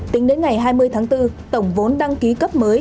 tính đến ngày hai mươi tháng bốn tổng vốn đăng ký cấp mới